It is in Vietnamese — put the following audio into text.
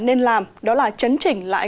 nên làm đó là chấn chỉnh lại